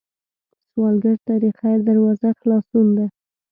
سوالګر ته د خیر دروازه خلاصون ده